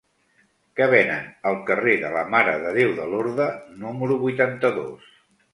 Què venen al carrer de la Mare de Déu de Lorda número vuitanta-dos?